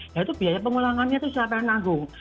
yaitu biaya pengulangannya itu siapa yang nanggung